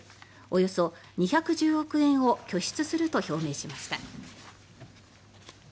およそ２１０億円を拠出すると表明しました。